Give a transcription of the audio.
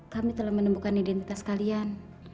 kami telah menemukan identitas kalian